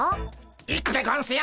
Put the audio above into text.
行くでゴンスよ！